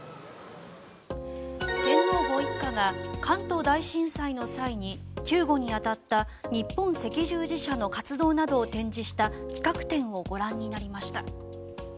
天皇ご一家が関東大震災の際に救護に当たった日本赤十字社の活動などを展示した企画展をご覧になりました。